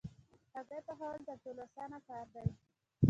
هګۍ پخول تر ټولو اسانه کار دی.